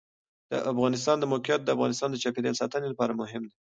د افغانستان د موقعیت د افغانستان د چاپیریال ساتنې لپاره مهم دي.